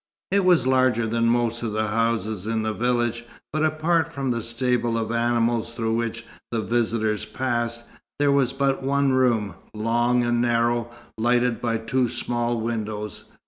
It was larger than most of the houses in the village, but apart from the stable of the animals through which the visitors passed, there was but one room, long and narrow, lighted by two small windows.